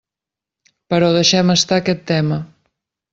Però deixem estar aquest tema.